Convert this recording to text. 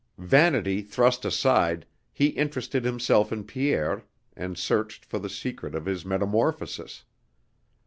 Vanity thrust aside, he interested himself in Pierre and searched for the secret of his metamorphosis.